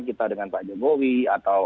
kita dengan pak jokowi atau